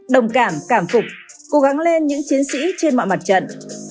đồng cảm phục cố gắng lên những chiến sĩ trên mọi mặt trận